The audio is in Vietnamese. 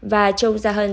và châu gia hân